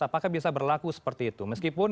apakah bisa berlaku seperti itu meskipun